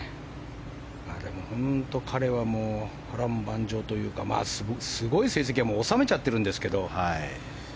でも本当彼は波乱万丈というかまあ、すごい成績はもう収めちゃってるんですけど。